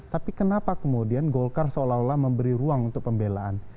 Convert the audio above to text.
tapi kenapa kemudian golkar seolah olah memberi ruang untuk pembelaan